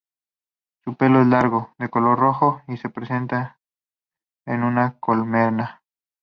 Su pelo es largo, de color rojo, y se presenta en una colmena.